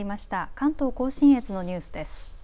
関東甲信越のニュースです。